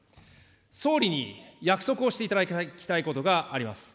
総理に約束をしていただきたいことがあります。